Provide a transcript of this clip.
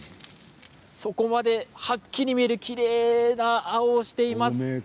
底まではっきりと見えるきれいな青をしています。